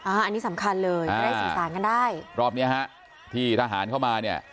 อันนี้สำคัญเลยจะได้สื่อสารกันได้รอบเนี้ยฮะที่ทหารเข้ามาเนี่ย